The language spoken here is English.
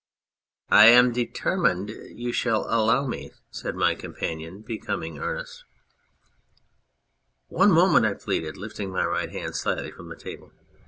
I am determined you shall allow me," said my companion, becoming earnest. " One moment," I pleaded, lifting my right hand slightly from the table.